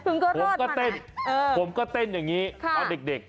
คุณก็รอดมานะผมก็เต้นผมก็เต้นอย่างนี้เอาเด็ก